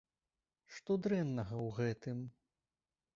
Што дрэннага ў гэтым?